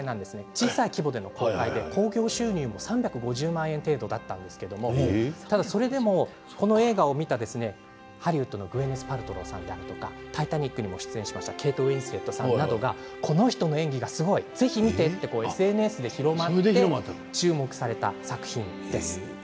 小さい規模で興行収入も３５０万円程度だったんですけれども、それでもこの映画を見たハリウッドのグウィネス・パルトローさんとか「タイタニック」にも出演されたケイト・ウィンスレットさんがこの人の演技、すごいぜひ見てとＳＮＳで発信して注目された作品です。